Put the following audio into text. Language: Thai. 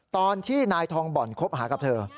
ตอนที่นายทองบ่อนคบหากับเธอ